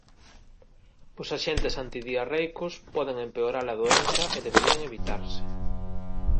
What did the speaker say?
Os axentes antidiarreicos poden empeorar a doenza e deberían evitarse.